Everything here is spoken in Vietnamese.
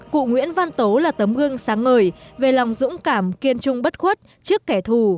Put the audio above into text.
cụ nguyễn văn tố là tấm gương sáng ngời về lòng dũng cảm kiên trung bất khuất trước kẻ thù